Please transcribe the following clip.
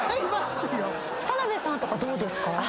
田辺さんとかどうですか？